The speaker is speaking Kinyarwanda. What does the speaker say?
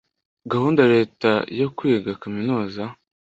gahunda Leta yo kwiga Kaminuza.